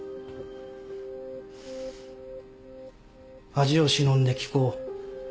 恥を忍んで聞こう。